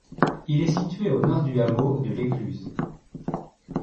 Il est situé au nord du hameau de l'Écluse.